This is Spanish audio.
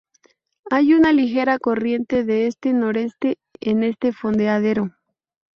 Hay una ligera corriente de este-noreste en este fondeadero.